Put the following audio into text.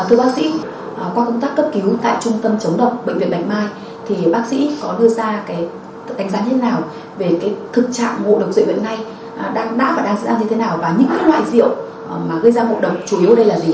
thưa bác sĩ qua công tác cấp cứu tại trung tâm chống độc bệnh viện bạch mai thì bác sĩ có đưa ra cái đánh giá như thế nào về cái thực trạng ngộ độc dưới bệnh này đang đã và đang sẽ đang như thế nào và những cái loại diệu mà gây ra ngộ độc chủ yếu ở đây là gì ạ